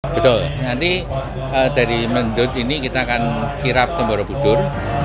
betul nanti dari mendut ini kita akan kirap ke borobudur